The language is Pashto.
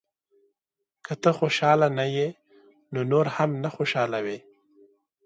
• که ته خوشحاله نه یې، نو نور هم نه خوشحالوې.